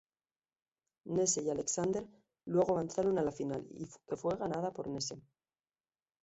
Nese y Alexander luego avanzaron a la final, que fue ganada por Nese.